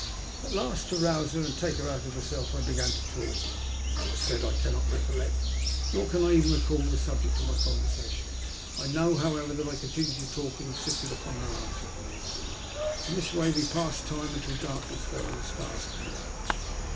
At last to rouse her and take her out of herself, I began to talk. What I said I cannot recollect, nor can I even recall the subject of my conversation. I know, however, that I continued to talk and insisted upon her answering me. In this way we passed tha time until darkness fell and the stars came out.